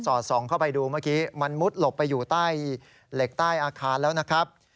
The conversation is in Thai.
ส่องเข้าไปดูเมื่อกี้มันมุดหลบไปอยู่ใต้เหล็กใต้อาคารแล้วนะครับ